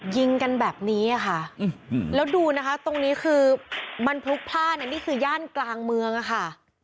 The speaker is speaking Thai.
ยิงกันแบบนี้ค่ะแล้วดูนะคะตรงนี้คือมันพลุกพลาดนี่คือย่านกลางเมืองอะค่ะ